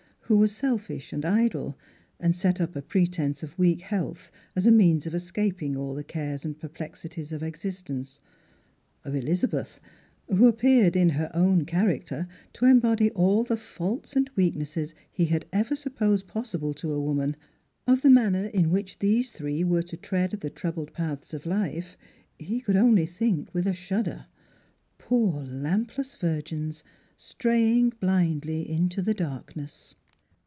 who was selfish and idle, and set up a pretence of weak health as a means of escaping all the cares and perplexities of existence; of Elizabeth, who appeared in her own character to embody all the faults and weaknesses he had ever supposed possible to a woman — of the manner in which these three were to tread the troubled paths of life, he could only think with a shudder. Poor lampless virgins. Btraying blindly into the darkness